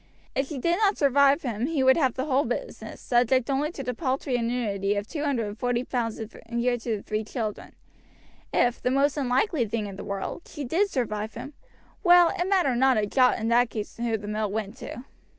If she did not survive him he would have the whole business, subject only to the paltry annuity of two hundred and forty pounds a year to the three children. If, the most unlikely thing in the world, she did survive him well, it mattered not a jot in that case who the mill went to.